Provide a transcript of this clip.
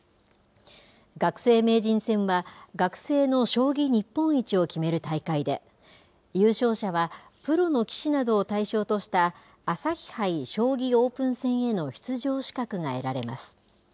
学生名人戦は、学生の将棋日本一を決める大会で、優勝者はプロの棋士などを対象とした、朝日杯将棋オープン戦への出場資格が得られます。